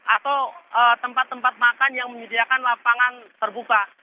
atau tempat tempat makan yang menyediakan lapangan terbuka